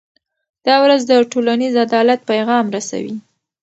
دا ورځ د ټولنیز عدالت پیغام رسوي.